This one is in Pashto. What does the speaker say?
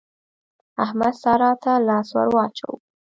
احمد سارا ته لاس ور واچاوو.